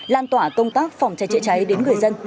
lan tỏa công tác phòng cháy chữa cháy đến người dân